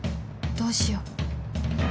どうしよう